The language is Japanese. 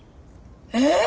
えっ！